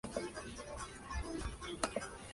Su dieta consiste de insectos, arácnidos y miriápodos.